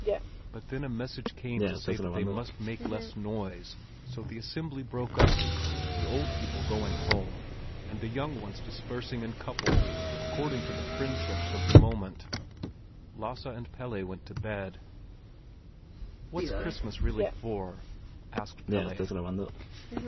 But just then a message came to say that they must make less noise, so the assembly broke up, the old people going home, and the young ones dispersing in couples according to the friendships of the moment. Lasse and Pelle went to bed. "What's Christmas really for?" asked Pelle.